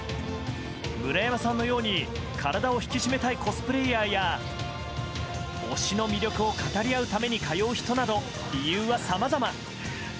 村山さんのように体を引き締めたいコスプレイヤーや推しの魅力を語り合うために通う人など、理由はさまざま。